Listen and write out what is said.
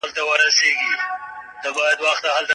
کمپيوټر د نننۍ نړۍ اړتيا ده.